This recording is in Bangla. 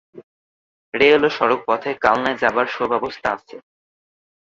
রেল ও সড়কপথে কালনায় যাবার সুব্যবস্থা আছে।